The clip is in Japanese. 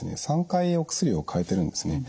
３回お薬をかえてるんですね。